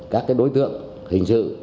các đối tượng hình sự